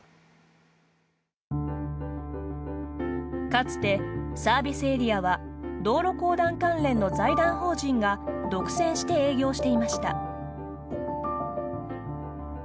かつて、サービスエリアは道路公団関連の財団法人が独占して営業していました。